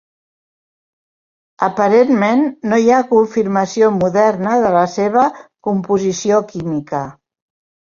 Aparentment, no hi ha confirmació moderna de la seva composició química.